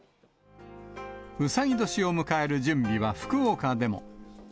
うさぎ年を迎える準備は福岡でも。